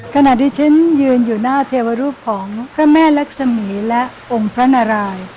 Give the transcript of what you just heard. ขณะที่ฉันยืนอยู่หน้าเทวรูปของพระแม่รักษมีและองค์พระนาราย